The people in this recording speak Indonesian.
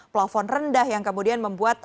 plafon rendah yang kemudian membuat